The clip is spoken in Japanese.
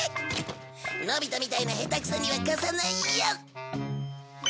のび太みたいな下手くそには貸さないよ。